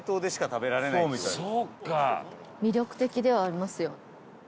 魅力的ではありますよ。